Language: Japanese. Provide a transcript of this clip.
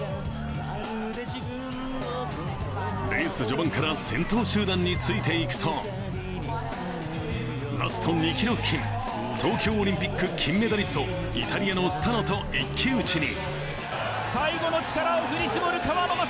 レース序盤から先頭集団についていくと、ラスト２ｋｍ付近、東京オリンピック金メダリスト、イタリアのスタノと一騎打ちに。